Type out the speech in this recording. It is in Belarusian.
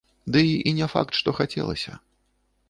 Дый і не факт, што хацелася.